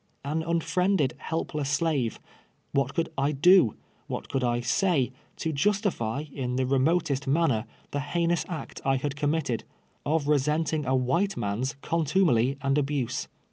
An unfriended, helpless slave — what could I do^ what could I .SY?y, to justify, in the remotest manner, the heinous act I had committed, of resenting a wldte, man's contumely and abuse.